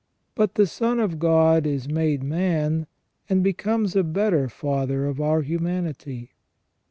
But the Son of God is made man, and becomes a better Father ot our humanity.